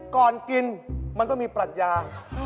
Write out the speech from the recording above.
ก่อนกินมันต้องมีปรัชญา